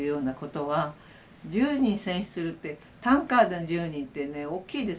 １０人戦死するってタンカーでの１０人ってね大きいですよ。